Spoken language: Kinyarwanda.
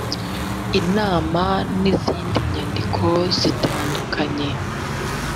inama n izindi nyandiko zitandukanye